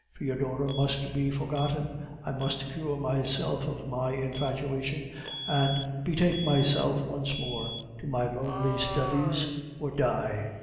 "Foedora must be forgotten; I must cure myself of my infatuation, and betake myself once more to my lonely studies, or die.